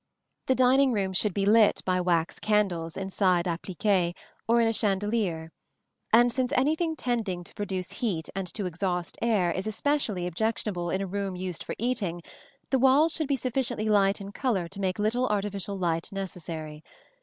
The dining room should be lit by wax candles in side appliques or in a chandelier; and since anything tending to produce heat and to exhaust air is especially objectionable in a room used for eating, the walls should be sufficiently light in color to make little artificial light necessary.